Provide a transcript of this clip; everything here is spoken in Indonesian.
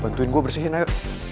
bantuin gue bersihin ayo